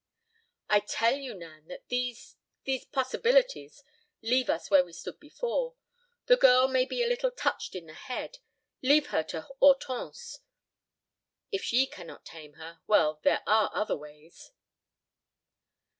"I tell you, Nan, that these—these possibilities—leave us where we stood before. The girl may be a little touched in the head. Leave her to Hortense; if she cannot tame her, well, there are other ways."